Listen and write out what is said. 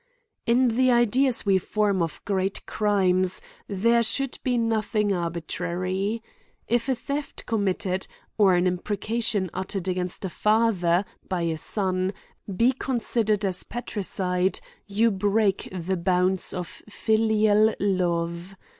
In the ideas we form of great crimes there should be nothing arbitrary. If a theft commit ted, or an imprecation uttered against a father, by a son, be considered as parricide, you break the bonds of filial love.